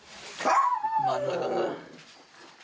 真ん中が。